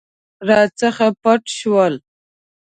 راڅخه پټ شول.